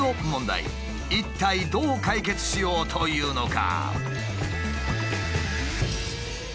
一体どう解決しようというのか？